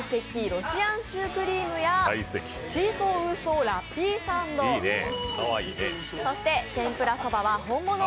ロシアンシュークリーム」や「チーソーウーソーラッピーサンド」、そして「天ぷらそばはホンモノ？